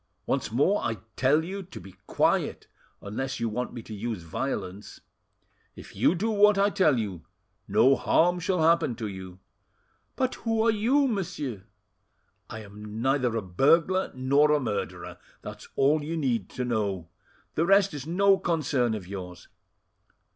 Once more I tell you to be quiet, unless you want me to use violence. If you do what I tell you, no harm shall happen to you." "But who are you, monsieur?" "I am neither a burglar nor a murderer; that's all you need to know; the rest is no concern of yours.